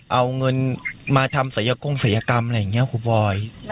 เอาเงินมาทำศัยกงศัยกรรมอะไรอย่างนี้ครูบอย